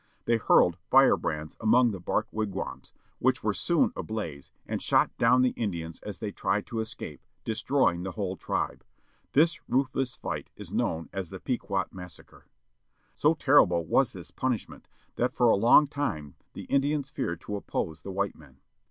They hurled firebrands among the bark wigwams, which were soon ablaze, and shot down the Indians as they tried to escape, destroying the whole tribe. This ruthless fight is known as the Pequot Massacre. So terrible was this punishment that for a long time the Indians feared to oppose the white men.